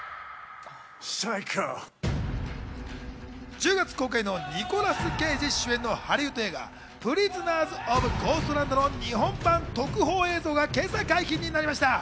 １０月公開のニコラス・ケイジ主演のハリウッド映画『プリズナーズ・オブ・ゴーストランド』の日本版特報映像が今朝、解禁になりました。